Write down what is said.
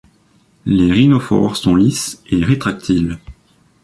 Les rhinophores sont lisses et rétractiles.